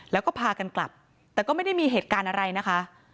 แล้วก็พากันกลับแต่ก็ไม่ได้มีเหตุการณ์อะไรนะคะ